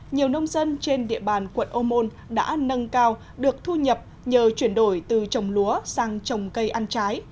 nhiều nông dân trên địa bàn quận ô môn đã nâng cao được thu nhập nhờ chuyển đổi từ trồng lúa sang trồng cây ăn trái